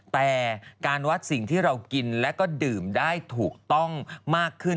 แต่การวัดสิ่งที่เรากินแล้วก็ดื่มได้ถูกต้องมากขึ้น